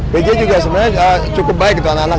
pg juga sebenarnya cukup baik